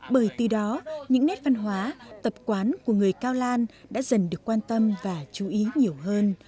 bởi từ đó những nét văn hóa tập quán của người cao lan đã dần được quan tâm và chú ý nhiều hơn